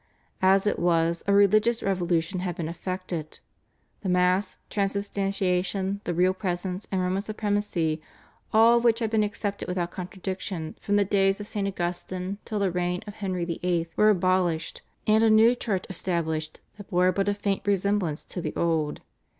As it was a religious revolution had been effected. The Mass, Transubstantiation, the Real Presence and Roman supremacy, all of which had been accepted without contradiction from the days of St. Augustine till the reign of Henry VIII., were abolished and a new church established that bore but a faint resemblance to the old.